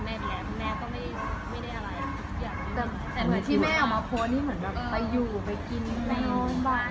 เหมือนที่แม่เอามาโพสต์นี่เหมือนแบบไปอยู่ไปกินไปน้องบ้าน